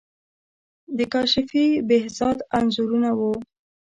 د کاشفی، بهزاد انځورونه وو.